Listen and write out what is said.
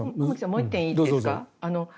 もう１点いいですか。